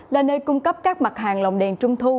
là nơi cung cấp các mặt hàng lồng đèn trung thu